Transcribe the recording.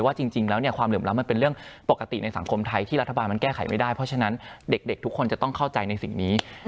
จริงแล้วความเหลื่อมล้ำมันเป็นเรื่องปกติในสังคมไทยที่รัฐบาลมันแก้ไขไม่ได้เพราะฉะนั้นเด็กทุกคนจะต้องเข้าใจในสิ่งนี้